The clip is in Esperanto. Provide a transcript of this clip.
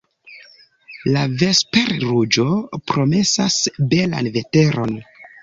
La vesperruĝo promesas belan veteron.